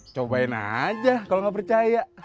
cobain aja kalau nggak percaya